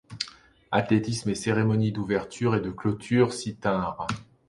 Athlétisme et cérémonies d'ouverture et de clôture s'y tinrent.